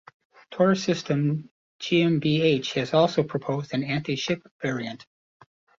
Taurus Systems GmbH has also proposed an anti-ship variant.